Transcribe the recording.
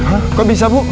hah kok bisa bu